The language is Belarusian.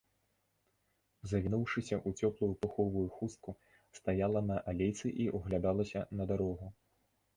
Завінуўшыся ў цёплую пуховую хустку, стаяла на алейцы і ўглядалася на дарогу.